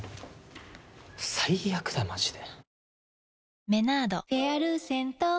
最悪だマジで。